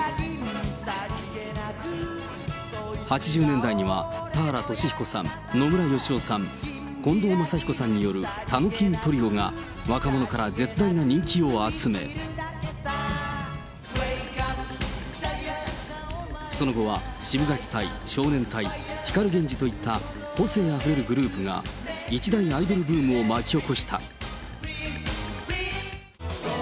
８０年代には、田原俊彦さん、野村義男さん、近藤真彦さんによるたのきんトリオが若者から絶大な人気を集め、その後は、シブがき隊、少年隊、光ＧＥＮＪＩといった、個性あふれるグループが、一大アイドルブームを巻き起こした。